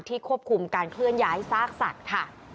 ควบคุมการเคลื่อนย้ายซากสัตว์ค่ะ